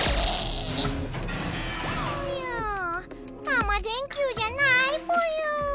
タマ電Ｑじゃないぽよ！